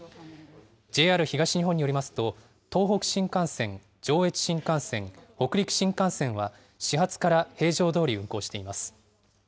ＪＲ東日本によりますと、東北新幹線、上越新幹線、北陸新幹線は、始発から平常どおり運行しています。